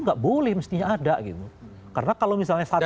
karena kalau misalnya satu empat